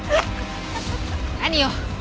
何よ？